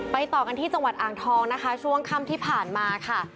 ต่อกันที่จังหวัดอ่างทองนะคะช่วงค่ำที่ผ่านมาค่ะ